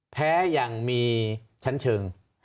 แพ้อย่างมีชั้นเชิง